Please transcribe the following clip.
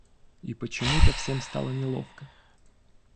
И почему-то всем стало неловко.